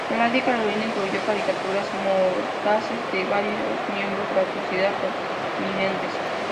Lady Caroline incluyó caricaturas mordaces de varios miembros de la sociedad prominentes.